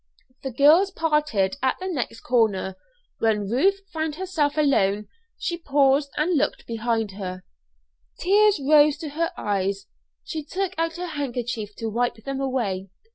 The girls parted at the next corner. When Ruth found herself alone she paused and looked behind her. Tears rose to her eyes; she took out her handkerchief to wipe them away.